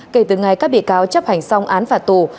kể từ ngày các bị cáo chấp hành xong án phạt tù